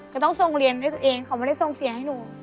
ก็ต้องส่งเรียนด้วยตัวเองเขาไม่ได้ส่งเสียให้หนู